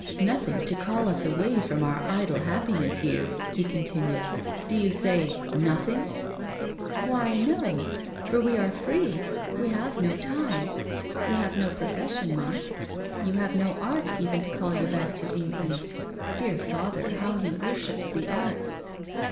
" Nothing to call us away from our idle hap piness here !" he continued. Do you say — nothing ?"" Why — no. For we are free ; we have no ties. You have no profession, Mark. You have no art even to call you back to England. Dear father — how he worships the arts